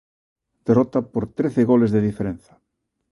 Derrota por trece goles de diferenza.